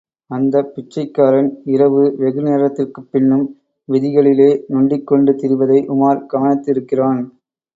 அந்தப் பிச்சைக்காரன் இரவு வெகு நேரத்திற்குப் பின்னும் விதிகளிலே நொண்டிக் கொண்டு திரிவதை உமார் கவனித்திருக்கிறான்.